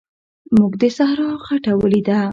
موږ د صحرا خټه ولیده.